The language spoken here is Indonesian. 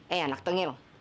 eh anak tengil